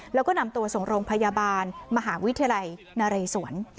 แล้วก็นำตัวส่งโรงพยาบาลมหาวิทยาลัยนเรศวร